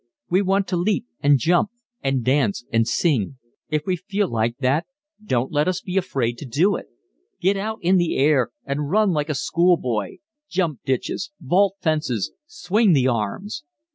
We want to leap and jump and dance and sing. If we feel like that don't let us be afraid to do it. _Get out in the air and run like a school boy. Jump ditches, vault fences, swing the arms!